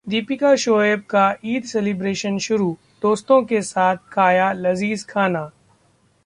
दीपिका-शोएब का ईद सेलिब्रेशन शुरू, दोस्तों के साथ खाया लजीज़ खाना